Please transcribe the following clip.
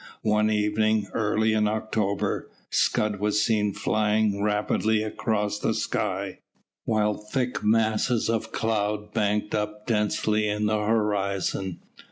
One evening, early in October, scud was seen flying rapidly across the sky, while thick masses of cloud banked up densely in the horizon.